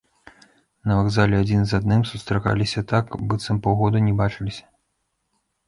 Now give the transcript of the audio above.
На вакзале адзін з адным сустракаліся так, быццам паўгода не бачыліся.